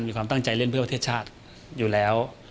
มีความตั้งใจเล่นเพื่อประเทศชาติอยู่แล้ว